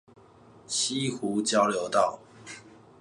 溪湖交流道